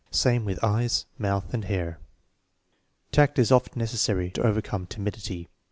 Same with eyes, mouth, and hair. Tact is often necessary to overcome timidity.